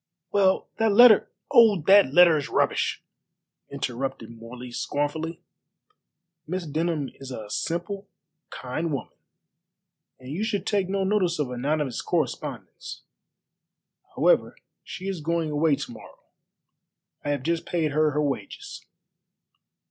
"Well, that letter " "Oh, that letter is rubbish!" interrupted Morley scornfully. "Miss Denham is a simple, kind woman, and you should take no notice of anonymous correspondence. However, she is going away to morrow. I have just paid her her wages."